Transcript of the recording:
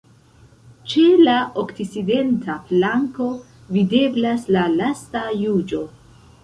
Ĉe la okcidenta flanko videblas la Lasta juĝo.